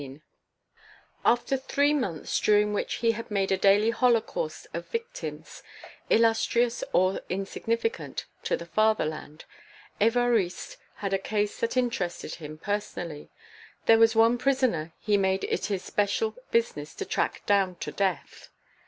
XVI After three months during which he had made a daily holocaust of victims, illustrious or insignificant, to the fatherland, Évariste had a case that interested him personally; there was one prisoner he made it his special business to track down to death.